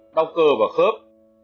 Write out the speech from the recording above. đau cơ và khớp